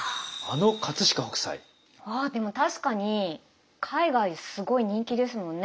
あでも確かに海外ですごい人気ですもんね。